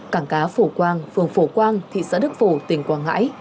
cảng cá phổ quang phường phổ quang thị xã đức phổ tỉnh quảng ngãi